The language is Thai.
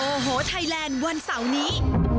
โอ้โหไทยแลนด์วันเสาร์นี้